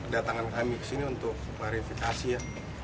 datangan kami ke sini untuk klarifikasi ya